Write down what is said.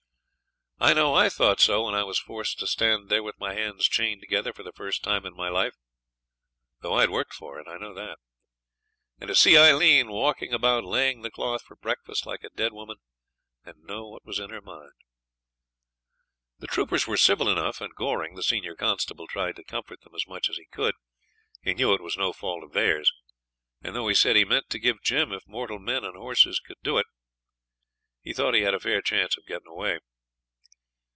I know I thought so when I was forced to stand there with my hands chained together for the first time in my life (though I'd worked for it, I know that); and to see Aileen walking about laying the cloth for breakfast like a dead woman, and know what was in her mind. The troopers were civil enough, and Goring, the senior constable, tried to comfort them as much as he could. He knew it was no fault of theirs; and though he said he meant to have Jim if mortal men and horses could do it he thought he had a fair chance of getting away.